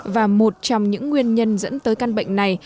và một trong những nguyên nhân dẫn tới căn bệnh này